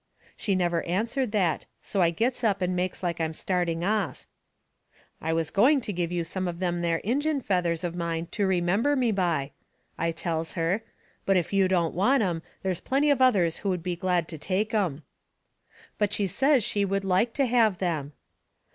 She never answered that, so I gets up and makes like I am starting off. "I was going to give you some of them there Injun feathers of mine to remember me by," I tells her, "but if you don't want 'em, there's plenty of others would be glad to take 'em." But she says she would like to have them.